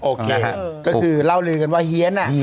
โอเคก็คือเล่าลือกันว่าเฮียน